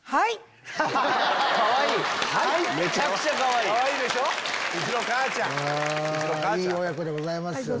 いい親子でございますよね。